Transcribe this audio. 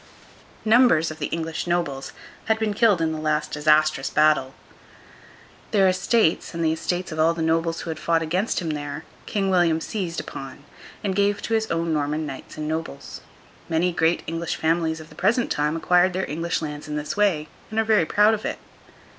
Numbers of the English nobles had been killed in the last disastrous battle. Their estates, and the estates of all the nobles who had fought against him there, King William seized upon, and gave to his own Norman knights and nobles. Many great English families of the present time acquired their English lands in this way, and are very proud of it.